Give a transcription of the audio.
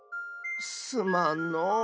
すまんのう。